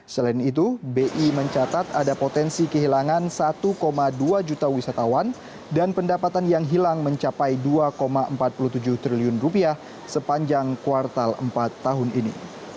selain itu bi mencatat ada potensi kehilangan satu dua juta wisatawan dan pendapatan yang hilang mencapai dua empat puluh tujuh triliun sepanjang kuartal empat tahun ini